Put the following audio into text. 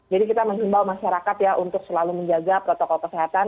jadi kita menghimbau masyarakat ya untuk selalu menjaga protokol kesehatan